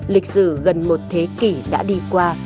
lịch sử gần một thế kỷ đã đi qua